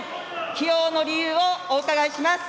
起用の理由をお伺いします。